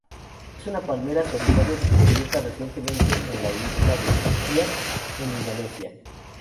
Es una palmera solitaria descubierta recientemente en la isla de Biak en Indonesia.